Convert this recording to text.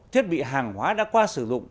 thiết bị hàng hóa đã qua sử dụng